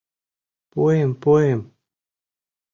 Пуэм, пуэм.